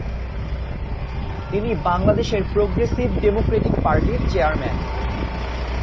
তিনি বাংলাদেশের progressive democratic পার্টির চেয়ারম্যান।